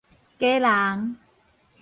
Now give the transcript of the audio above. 鷄籠